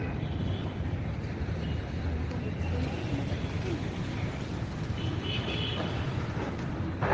あなたの一存で決めれることなんですか？